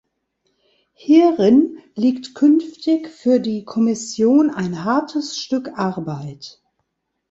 Hierin liegt künftig für die Kommission ein hartes Stück Arbeit.